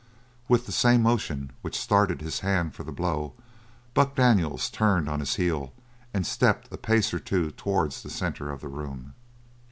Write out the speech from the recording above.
With the same motion which started his hand for the blow, Buck Daniels turned on his heel and stepped a pace or two towards the centre of the room.